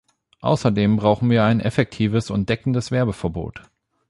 Außerdem brauchen wir ein effektives und deckendes Werbeverbot.